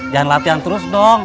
jangan latihan terus dong